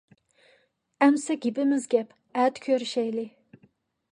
ئەمىسە گېپىمىز گەپ. ئەتە كۆرۈشەيلى.